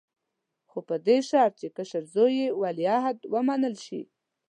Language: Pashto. خو په دې شرط چې کشر زوی یې ولیعهد ومنل شي.